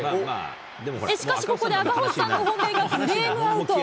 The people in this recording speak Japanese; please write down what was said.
しかし、ここで赤星さんの本命がフレームアウト。